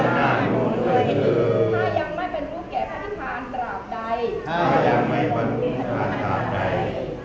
ถ้ายังไม่เป็นผู้แก่พนิพานตราบใด